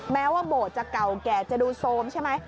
แม้ว่าโบสถ์จะเก่าแก่จะดูโซมใช่ไหม